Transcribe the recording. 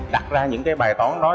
đặt ra những bài tóng đó